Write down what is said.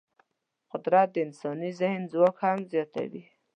قدرت د انساني ذهن ځواک هم زیاتوي.